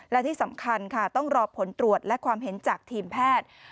และที่สำคัญค่ะต้องรอผลตรวจและความเห็นจากทีมแพทย์